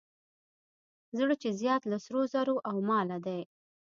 زړه چې زیات له سرو زرو او ماله دی.